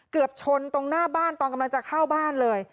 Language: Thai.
เกือบชนตรงหน้าบ้านตอนกำลังจะเข้าบ้านเลย